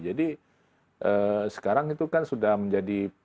jadi sekarang itu kan sudah menjadi